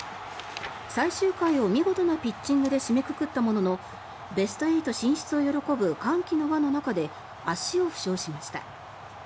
最終回を見事なピッチングで締めくくったもののベスト８進出を喜ぶ歓喜の輪の中で足を負傷しました。